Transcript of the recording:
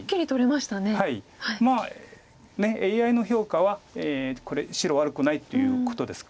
まあＡＩの評価はこれ白悪くないっていうことです。